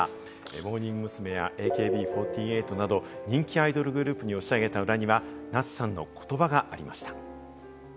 モーニング娘。や、ＡＫＢ４８など人気アイドルグループに押し上げた裏には夏さんの言葉がありました。